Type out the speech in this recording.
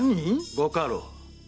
⁉ご家老。